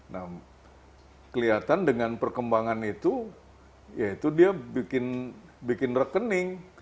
nah kelihatan dengan perkembangan itu ya itu dia bikin rekening